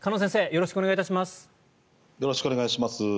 よろしくお願いします。